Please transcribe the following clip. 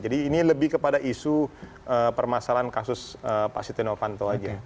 jadi ini lebih kepada isu permasalahan kasus pak sitino panto saja